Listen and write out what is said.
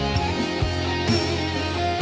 ซุเรียนนุ้ย